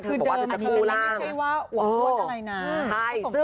คือเดินมานี่นี่แค่ว่าอวดอะไรนะ